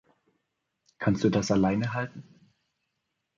Kannst du das alleine halten?